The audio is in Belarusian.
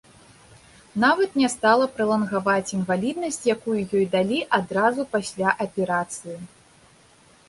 Нават не стала пралангаваць інваліднасць, якую ёй далі адразу пасля аперацыі.